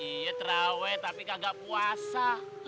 iya terawih tapi kagak puasa